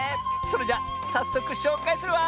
それじゃさっそくしょうかいするわ！